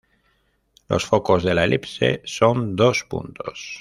Los focos de la elipse son dos puntos.